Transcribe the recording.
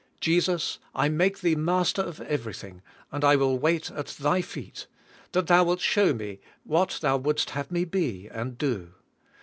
"Jesus, I make Thee Master of THE COMPLETE SURRKXDER 113 everything and I will wait at Thy feet, that Thou wilt show me what Thou wouldst have me be and do."